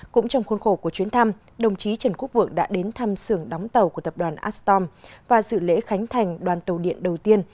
cũng trong khuôn khổ của chuyến thăm đồng chí trần quốc vượng đã đến thăm xưởng đóng tàu của tập đoàn aston và dự lễ khánh thành đoàn tàu điện đầu tiên